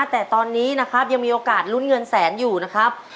แต่ตอนนี้นะครับยังมีโอกาสลุ้นเงินแสนอยู่นะครับ